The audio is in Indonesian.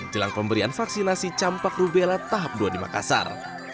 jelang pemberian vaksinasi campak rubella tahap dua di makassar